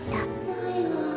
ないわ。